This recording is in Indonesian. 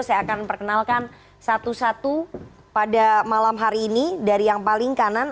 saya akan perkenalkan satu satu pada malam hari ini dari yang paling kanan